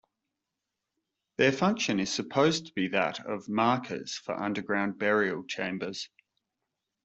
Their function is supposed to be that of "markers" for underground burial chambers.